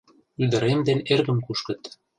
— Ӱдырем ден эргым кушкыт.